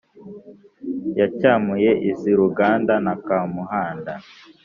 yacyamuye izi ruganda na kamuhanda